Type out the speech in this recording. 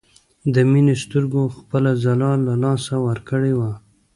د مينې سترګو خپله ځلا له لاسه ورکړې وه